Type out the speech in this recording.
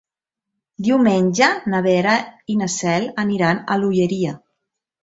Diumenge na Vera i na Cel aniran a l'Olleria.